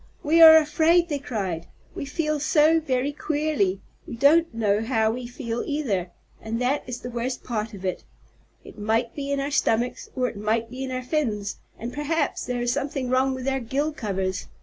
"We are afraid," they cried. "We feel so very queerly. We don't know how we feel, either, and that is the worst part of it. It might be in our stomachs, or it might be in our fins, and perhaps there is something wrong with our gill covers.